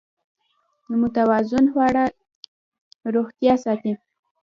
متوازن خواړه روغتیا ساتي.